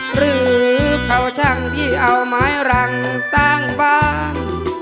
หรือเขาช่างที่เอาไม้รังสร้างบ้าง